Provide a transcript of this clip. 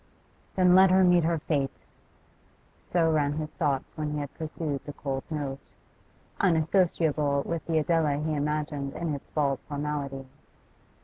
'Then let her meet her fate,' so ran his thoughts when he had perused the cold note, unassociable with the Adela he imagined in its bald formality.